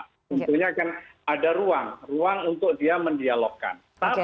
tentunya kan ada ruang untuk dia mendialogkan